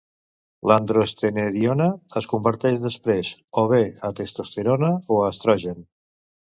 L'androstenediona es converteix després o bé a testosterona o a estrogen.